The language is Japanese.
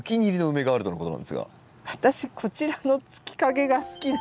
私こちらの月影が好きなんです。